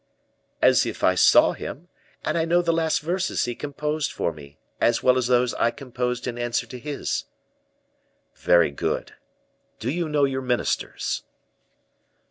"As if I saw him, and I know the last verses he composed for me, as well as those I composed in answer to his." "Very good. Do you know your ministers?"